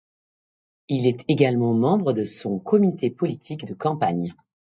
Il est également membre de son comité politique de campagne.